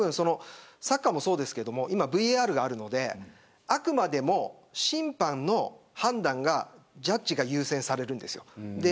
サッカーもそうですが今はＶＡＲがあるのであくまでも審判の判断がジャッジが優先されるんですよ。